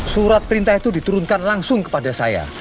surat perintah itu diturunkan langsung kepada saya